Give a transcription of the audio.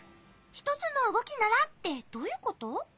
「ひとつのうごきなら」ってどういうこと？